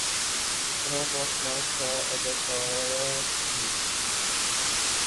اتنا خوفناک تھا کہ اداکارہ کی